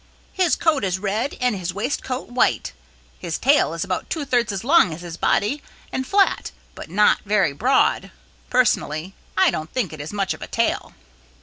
His coat is red and his waistcoat white; his tail is about two thirds as long as his body and flat but not very broad. Personally, I don't think it is much of a tail."